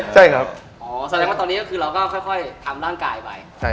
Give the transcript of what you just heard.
ใช่ครับอ๋อแสดงว่าตอนนี้ก็คือเราก็ค่อยทำร่างกายไป